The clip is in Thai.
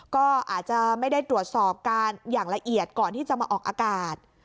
ก็อาจจะไม่ได้ตรวจสอบการอย่างละเอียดก่อนที่จะมาออกอากาศ